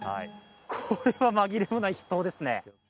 これはまぎれもない秘湯ですね。